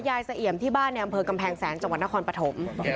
เสี่ยมที่บ้านในอำเภอกำแพงแสนจังหวัดนครปฐม